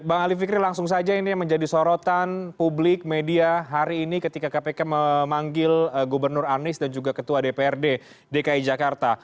bang ali fikri langsung saja ini yang menjadi sorotan publik media hari ini ketika kpk memanggil gubernur anies dan juga ketua dprd dki jakarta